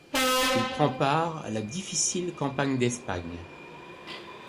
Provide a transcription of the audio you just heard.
Il prend part à la difficile campagne d'Espagne.